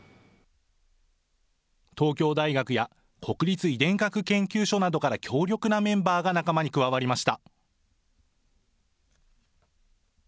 東京大学や国立遺伝学研究所などから強力なメンバーが仲間に加わりました。